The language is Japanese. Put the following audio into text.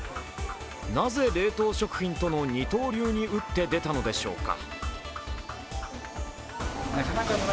なぜ冷凍食品との二刀流に打って出たのでしょうか。